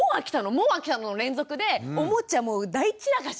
もう飽きたの？の連続でおもちゃもう大散らかし！